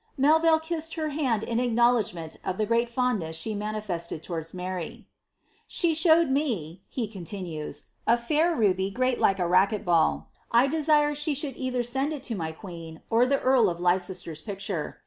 lie kissed her hand in acknowledgment of the great fondness she ested to Mary, he showe<l me," he continues, ^^ a fair ruby, great like a racket 1 desired she would either send it to my queen, or the earl of sler's picture.